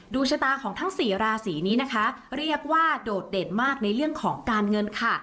ชะตาของทั้งสี่ราศีนี้นะคะเรียกว่าโดดเด่นมากในเรื่องของการเงินค่ะ